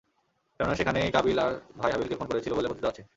কেননা সেখানেই কাবীল তার ভাই হাবীলকে খুন করেছিল বলে কথিত আছে।